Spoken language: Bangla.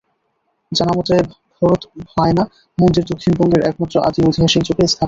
জানামতে, ভরত ভায়না মন্দির দক্ষিণ বঙ্গের একমাত্র আদি ঐতিহাসিক যুগের স্থাপনা।